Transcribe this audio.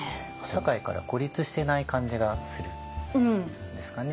社会から孤立してない感じがするんですかね。